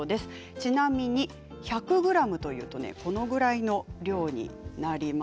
ちなみに１００ｇというとこれぐらいの量になります。